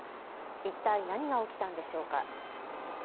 一体何が起きたんでしょうか。